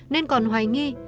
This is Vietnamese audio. nên còn hoài nghi